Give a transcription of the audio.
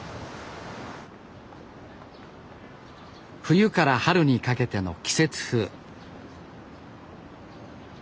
冬から春にかけての季節風。